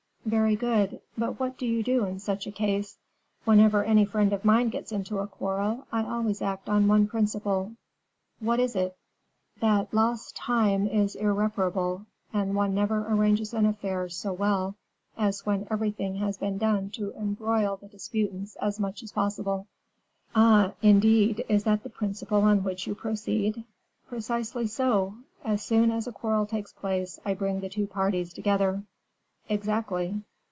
"Very good; but what do you do, in such a case?" "Whenever any friend of mine gets into a quarrel, I always act on one principle." "What is that?" "That lost time is irreparable, and one never arranges an affair so well as when everything has been done to embroil the disputants as much as possible." "Ah! indeed, is that the principle on which you proceed?" "Precisely; so, as soon as a quarrel takes place, I bring the two parties together." "Exactly."